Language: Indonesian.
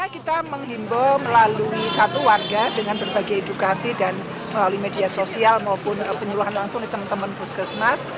kita menghimbau melalui satu warga dengan berbagai edukasi dan melalui media sosial maupun penyuluhan langsung di teman teman puskesmas